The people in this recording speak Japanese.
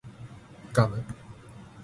ガム